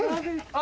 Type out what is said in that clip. あ！